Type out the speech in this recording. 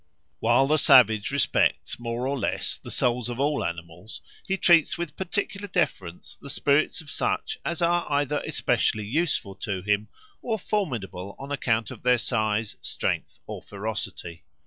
While the savage respects, more or less, the souls of all animals, he treats with particular deference the spirits of such as are either especially useful to him or formidable on account of their size, strength, or ferocity.